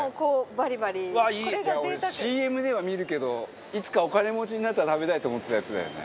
バカリズム：ＣＭでは見るけどいつか、お金持ちになったら食べたいと思ってたやつだよね。